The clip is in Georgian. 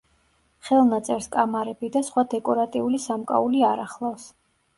ხელნაწერს კამარები და სხვა დეკორატიული სამკაული არ ახლავს.